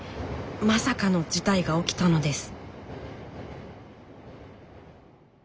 まさかの事態が起きたのです。